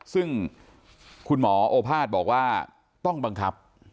ซึ่งคุณหมอโอภาษบอกว่าต้องบังคับ